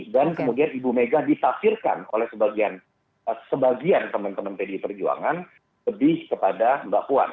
dan kemudian ibu megawati disaksirkan oleh sebagian teman teman pdi perjuangan lebih kepada mbak puan